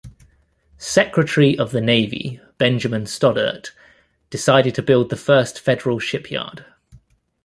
Secretary of the Navy Benjamin Stoddert decided to build the first federal shipyard.